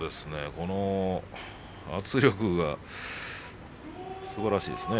この圧力がすばらしいですね。